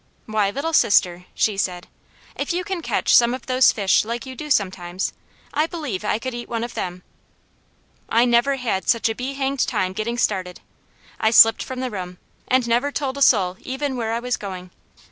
"Why, Little Sister," she said, "if you can catch some of those fish like you do sometimes, I believe I could eat one of them." I never had such a be hanged time getting started. I slipped from the room, and never told a soul even where I was going.